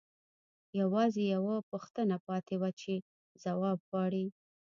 یوازې یوه پوښتنه پاتې وه چې ځواب غواړي